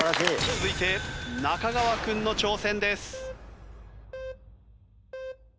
続いて中川君の挑戦です。